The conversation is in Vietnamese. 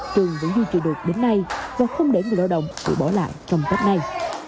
trường vẫn duy trì được đến nay và không để người lao động bị bỏ lại trong tết này